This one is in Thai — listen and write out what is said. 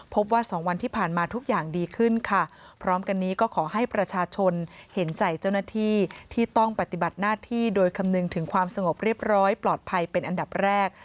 ว่าสองวันที่ผ่านมาทุกอย่างดีขึ้นค่ะพร้อมกันนี้ก็ขอให้ประชาชนเห็นใจเจ้าหน้าที่ที่ต้องปฏิบัติหน้าที่โดยคำนึงถึงความสงบเรียบร้อยปลอดภัยเป็นอันดับแรก